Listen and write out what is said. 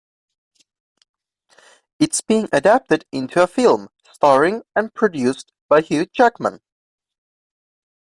It is being adapted into a film starring and produced by Hugh Jackman.